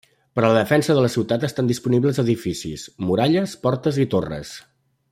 Per a la defensa de la ciutat estan disponibles edificis: muralles, portes i torres.